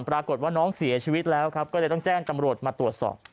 ปรากฏว่าน้องเสียชีวิตแล้วครับก็เลยต้องแจ้งตำรวจมาตรวจสอบ